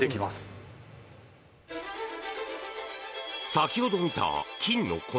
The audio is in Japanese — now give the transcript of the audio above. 先ほど見た金の粉。